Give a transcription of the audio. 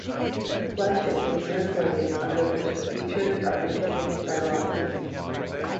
Flesh is a mere glaze under which the features are indicated by lines.